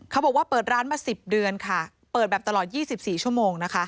เขาบอกว่าเปิดร้านมา๑๐เดือนค่ะเปิดแบบตลอด๒๔ชั่วโมงนะคะ